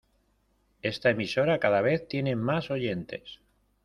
Esta emisora cada vez tiene más oyentes.